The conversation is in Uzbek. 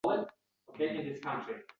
Ulug‘ ajdodlarimizga ta’zim